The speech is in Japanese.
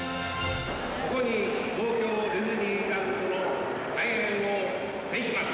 ここに東京ディズニーランドの開園を宣します。